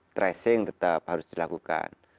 tracing tetap harus dilakukan